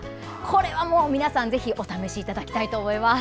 これは皆さん、ぜひお試しいただきたいと思います。